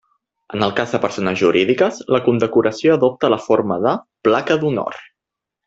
En el cas de persones jurídiques, la condecoració adopta la forma de Placa d'Honor.